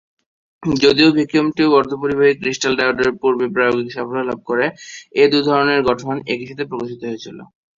যদিও vacuum tube অর্ধপরিবাহী crystal ডায়োডের পূর্বে প্রায়োগিক সাফল্য লাভ করে, এ দুই ধরনের গঠন একই সাথে বিকশিত হয়েছিল।